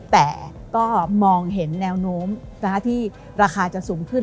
แต่ก็มองเห็นแนวโน้มที่ราคาจะสูงขึ้น